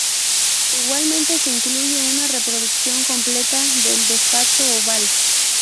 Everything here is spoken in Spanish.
Igualmente, se incluye una reproducción completa del Despacho Oval.